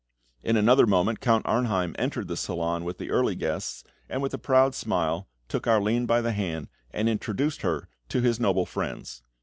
In another moment Count Arnheim entered the salon with the early guests, and with a proud smile, took Arline by the hand, and introduced her to his noble friends.